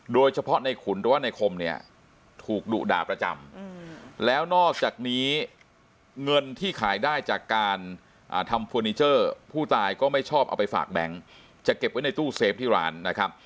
โดยเฉพาะในขุนหรือว่าในคมเนี่ยถูกดุด่าประจำแล้วนอกจากนี้เงินที่ขายได้จากการทำเฟอร์นิเจอร์ผู้ตายก็ไม่ชอบเอาไปฝากแบงค์จะเก็บไว้ในตู้เซฟที่ร้านนะครับ